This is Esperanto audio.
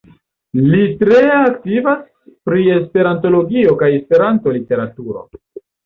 Li tre aktivas pri esperantologio kaj esperanto-literaturo.